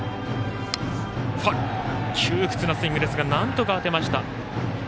窮屈なスイングですがなんとか当てました。